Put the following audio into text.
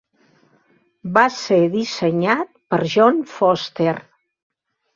Va ser dissenyat per John Foster.